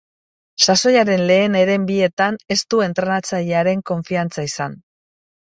Sasoiaren lehen heren bietan ez du entrenatzailearen konfiantza izan.